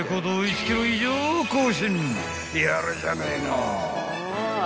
［やるじゃねえの］